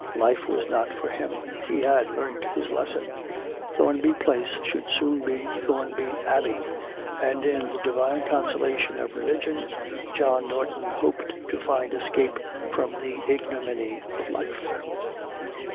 Life was not for him. He had learnt his lesson. Thornby Place should soon be Thornby Abbey, and in the divine consolation of religion John Norton hoped to find escape from the ignominy of life.